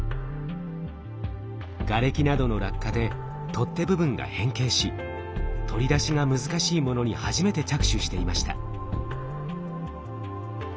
がれきなどの落下で取っ手部分が変形し取り出しが難しいものに初めて着手していました。